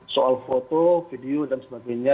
soal foto video dan sebagainya